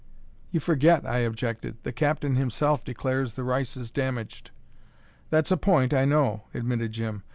"You forget," I objected, "the captain himself declares the rice is damaged." "That's a point, I know," admitted Jim.